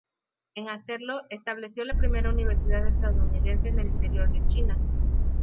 En hacerlo, estableció la primera universidad estadounidense en el interior de China.